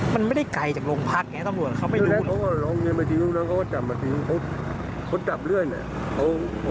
มันไม่ได้ไกลจากโรงพักเนี่ยตำรวจเขาไม่รู้